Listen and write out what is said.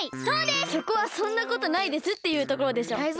そこは「そんなことないです」っていうところでしょ。